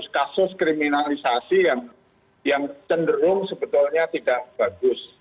tiga ratus kasus kriminalisasi yang cenderung sebetulnya tidak bagus